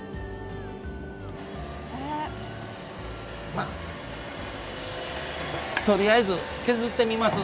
まっとりあえず削ってみます。